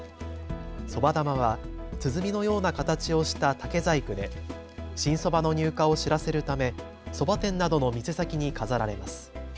そば玉は鼓のような形をした竹細工で新そばの入荷を知らせるためそば店などの店先に飾られます。